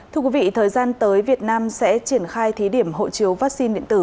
thưa quý vị thời gian tới việt nam sẽ triển khai thí điểm hộ chiếu vaccine điện tử